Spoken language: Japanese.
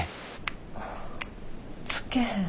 つけへん。